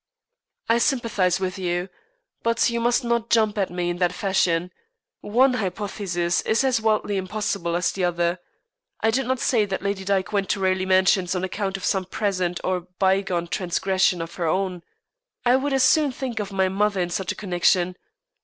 "I sympathize with you, but you must not jump at me in that fashion. One hypothesis is as wildly impossible as the other. I did not say that Lady Dyke went to Raleigh Mansions on account of some present or bygone transgression of her own. I would as soon think of my mother in such a connection.